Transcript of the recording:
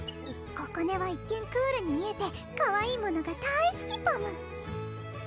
ここねは一見クールに見えてかわいいものがだいすきパム